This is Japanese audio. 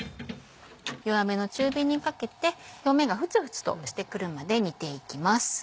弱めの中火にかけて表面が沸々としてくるまで煮ていきます。